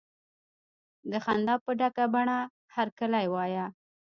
د خندا په ډکه بڼه هرکلی وایه.